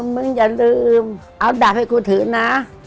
มึงอย่าลืมเอาดับให้คุณถือนะ